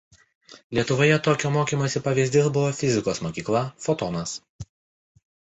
Lietuvoje tokio mokymosi pavyzdys buvo fizikos mokykla „Fotonas“.